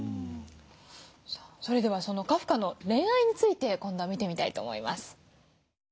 それではそのカフカの恋愛について今度は見てみたいと思います。